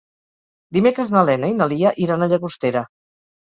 Dimecres na Lena i na Lia iran a Llagostera.